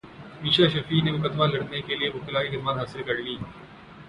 میشا شفیع نے مقدمہ لڑنے کیلئے وکلاء کی خدمات حاصل کرلیں